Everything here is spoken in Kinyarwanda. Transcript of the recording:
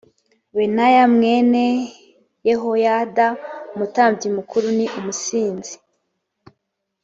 benaya mwene yehoyada umutambyi mukuru ni umusinzi